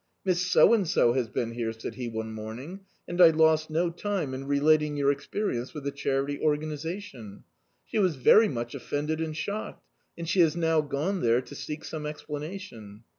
"Miss So and So has been here," said he, one morning; "and I lost no time in relating your experience with the Charity Organisation. She was very much offended and shocked, and she has now gone there to seek some explanation."